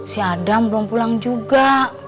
si adam belum pulang juga